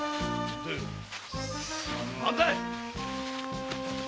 待て！